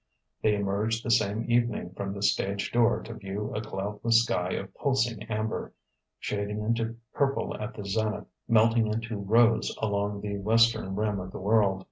They emerged the same evening from the stage door to view a cloudless sky of pulsing amber, shading into purple at the zenith, melting into rose along the western rim of the world.